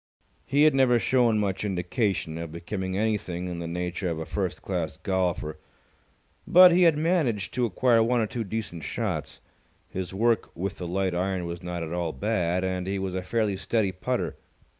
He had never shown much indication of becoming anything in the nature of a first class golfer, but he had managed to acquire one or two decent shots. His work with the light iron was not at all bad, and he was a fairly steady putter.